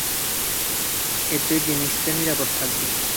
এতে জিনিসটা নিরাপদ থাকবে।